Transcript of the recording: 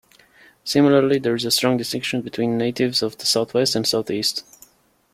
Similarly, there is a strong distinction between natives of the south-west and south-east.